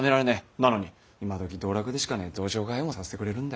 なのに今どき道楽でしかねえ道場通いもさせてくれるんで。